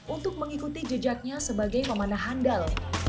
untuk mengikuti jejaknya sebagai pemanah handal